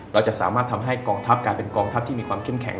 เราจะสามารถทำให้กองทัพกลายเป็นกองทัพที่มีความเข้มแข็ง